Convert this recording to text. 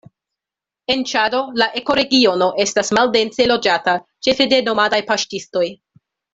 En Ĉado la ekoregiono estas maldense loĝata, ĉefe de nomadaj paŝtistoj.